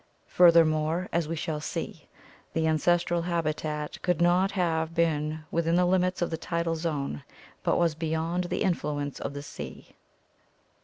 Furthermore, as we shall see, the ancestral habitat could not have been within the limits of the tidal zone but was beyond the influence of the sea.